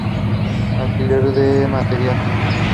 Pronotal disc is glabrous.